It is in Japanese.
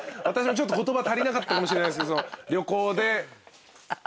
私も言葉足りなかったかもしれないですけど旅行で。